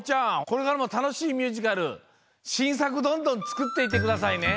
これからもたのしいミュージカルしんさくどんどんつくっていってくださいね。